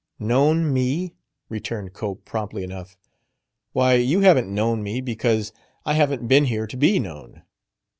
"Known me?" returned Cope, promptly enough. "Why, you haven't known me because I haven't been here to be known."